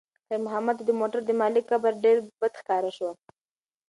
خیر محمد ته د موټر د مالک کبر ډېر بد ښکاره شو.